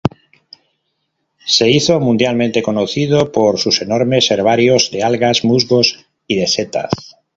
Se hizo mundialmente conocido por sus enormes herbarios de algas, musgos y de setas.